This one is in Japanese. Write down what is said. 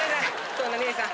そんなねえさん。